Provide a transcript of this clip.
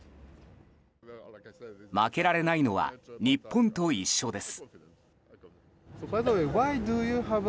負けられないのは日本と一緒です。